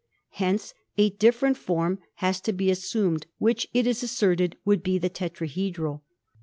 Hence a different form has to be assumed, which, it is asserted, would be the tetrahedral.